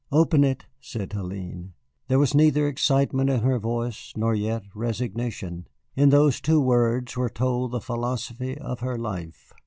"Open it," said Hélène. There was neither excitement in her voice, nor yet resignation. In those two words was told the philosophy of her life.